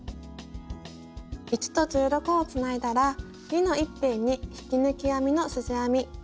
１と１６をつないだら２の１辺に引き抜き編みのすじ編み。